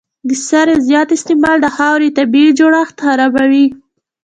د سرې زیات استعمال د خاورې طبیعي جوړښت خرابوي.